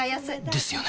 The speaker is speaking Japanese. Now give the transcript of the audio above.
ですよね